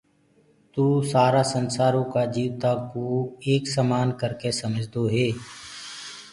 توُ سآرآ سنسآرو ڪآ جيوتآنٚ ڪو ايڪ سمآن ڪرڪي سمجدوئي